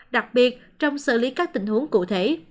đặc biệt trong xử lý các tình huống cụ thể